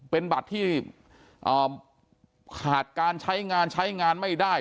เป็นบัตรที่ขาดการใช้งานใช้งานไม่ได้